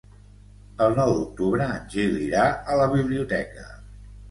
El nou d'octubre en Gil irà a la biblioteca.